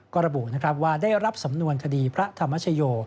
ก็ระบุว่าได้รับสำนวงคดีพระธรรมชโย